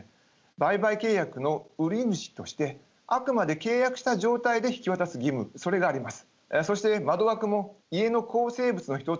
売買契約の売主としてあくまで契約した状態で引き渡す義務それがあります。